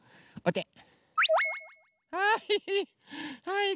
はい。